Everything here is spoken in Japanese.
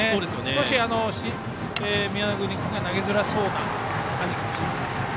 少し宮國君が投げづらそうな感じもします。